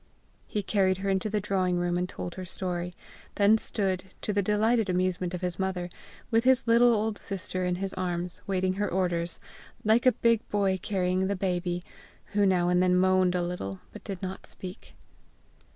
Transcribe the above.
He carried her into the drawing room and told her story, then stood, to the delighted amusement of his mother, with his little old sister in his arms, waiting her orders, like a big boy carrying the baby, who now and then moaned a little, but did not speak.